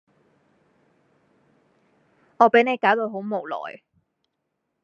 我俾你搞到好無奈